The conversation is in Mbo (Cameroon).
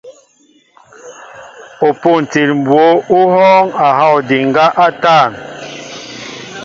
O pûntil mbǒ ó wɔɔŋ a hɔw ndiŋgá a tȃn.